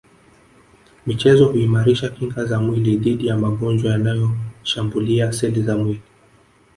michezo huimarisha kinga za mwili dhidi ya magonjwa yanayo shambulia seli za mwili